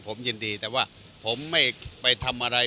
ผมยินดีแต่ว่าผมไม่ไปทำอะไร